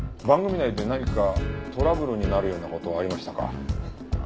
番組内で何かトラブルになるような事はありましたか？